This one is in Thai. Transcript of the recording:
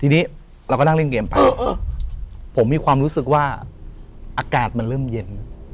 ทีนี้เราก็นั่งเล่นเกมไปผมมีความรู้สึกว่าอากาศมันเริ่มเย็น